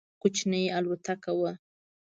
کوچنۍ الوتکه وه.